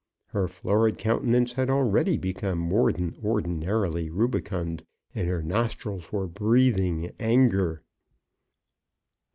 Her florid countenance had already become more than ordinarily rubicund, and her nostrils were breathing anger.